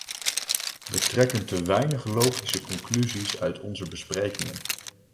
We trekken te weinig logische conclusies uit onze besprekingen.